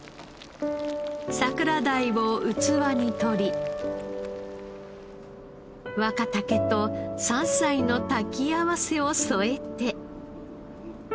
桜鯛を器に取り若筍と山菜の炊き合わせを添えて。